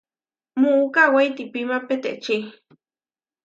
Muú kawé itihpíma peteči.